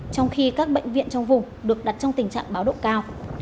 trong khi các bệnh viện trong vùng được đặt trong tình trạng báo động cao